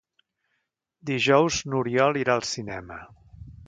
Dijous n'Oriol irà al cinema.